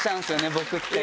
僕って。